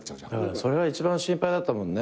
それが一番心配だったもんね。